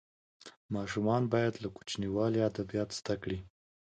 ماشومان باید له کوچنیوالي ادبیات زده کړي.